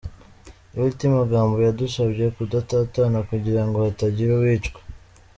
Lt Magambo yadusabye kudatatana kugirango hatagira uwicwa.